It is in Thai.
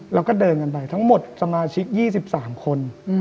แล้วก็เดินกันไปทั้งหมดสมาชิก๒๓คน